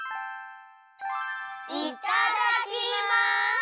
いただきます！